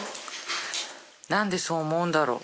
なんでそう思うんだろう？